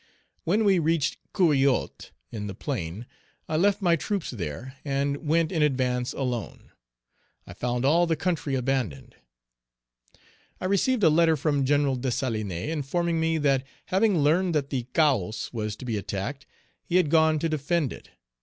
When we reached Couriotte, in the plain, I left my troops there, and went in advance alone. I found all the country abandoned. I received a letter from Gen. Dessalines, informing me that, having learned that the Cahos was to be attacked, he had gone to defend it.